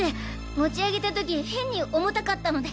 持ち上げた時変に重たかったので。